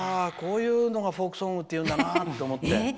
こういうのがフォークソングっていうんだなって。